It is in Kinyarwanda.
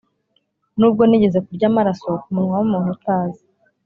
nubwo nigeze kurya amaraso kumunwa wumuntu utazi,